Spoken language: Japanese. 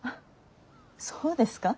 そうですか？